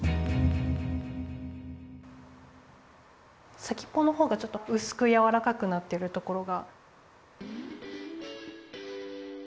先っぽのほうがちょっとうすくやわらかくなってるところが。